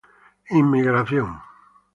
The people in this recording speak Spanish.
Inmigración